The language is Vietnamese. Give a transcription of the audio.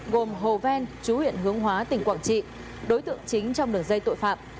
gồm hồ ven chú huyện hướng hóa tỉnh quảng trị đối tượng chính trong đường dây tội phạm